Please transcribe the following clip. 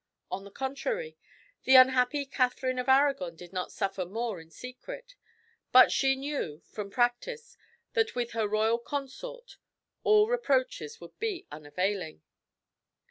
On the contrary, the unhappy Catherine of Arragon did not suffer more in secret; but she knew, from experience, that with her royal consort all reproaches would be unavailing.